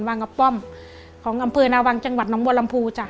วางกับป้อมของอำเภอนาวังจังหวัดน้องวรรมภูร์